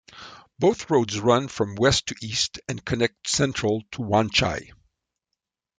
Both roads run from west to east and connect Central to Wan Chai.